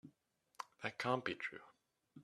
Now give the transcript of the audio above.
That can't be true.